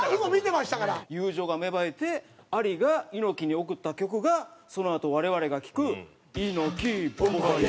友情が芽生えてアリが猪木に贈った曲がそのあと我々が聴く「イノキボンバイエ」。